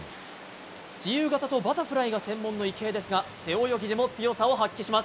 自由形とバタフライが専門の池江ですが背泳ぎでも強さを発揮します。